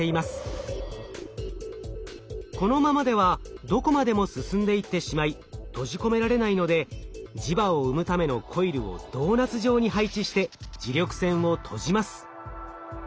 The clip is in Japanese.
このままではどこまでも進んでいってしまい閉じ込められないので磁場を生むためのコイルをドーナツ状に配置して磁力線を閉じます。